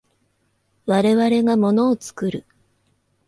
我々が物を作る。